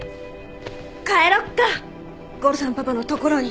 帰ろうかゴロさんパパのところに。